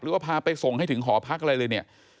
พาไปส่งให้ถึงหอพักอะไรเลยเนี่ย